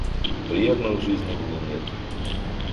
Приятного в жизни мне нет.